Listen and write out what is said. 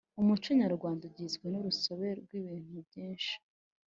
umuco nyarwanda ugizwe n’urusobe rw’ibintu byinshi